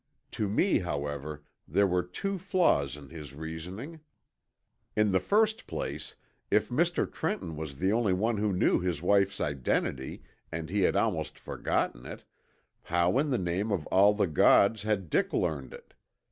To me, however, there were two flaws in his reasoning. In the first place, if Mr. Trenton was the only one who knew his wife's identity and he had almost forgotten it, how in the name of all the gods had Dick learned it?